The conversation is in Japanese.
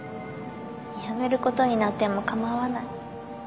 辞めることになっても構わない